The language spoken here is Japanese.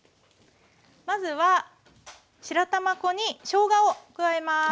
まずは白玉粉にしょうがを加えます。